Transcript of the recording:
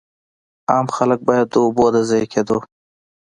عام خلک باید د اوبو د ضایع کېدو.